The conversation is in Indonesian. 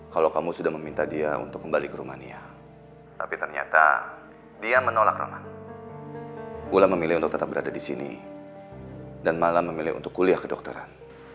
kalau kamu sudah meminta dia untuk kembali ke rumania tapi ternyata dia menolak raman bula memilih untuk tetap berada di sini dan malah memilih untuk kuliah kedokteran